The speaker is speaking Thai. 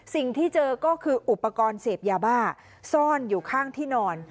สิ่งที่เจอก็คืออุปกรณ์เสพยาบ้าซ่อนอยู่ข้างที่นอน